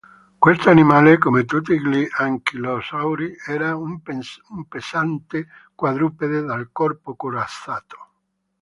Questo animale, come tutti gli anchilosauri, era un pesante quadrupede dal corpo corazzato.